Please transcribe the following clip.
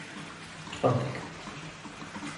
Czwartek